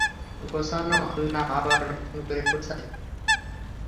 গোছানো আলনা আবার নতুন করে গোছায়।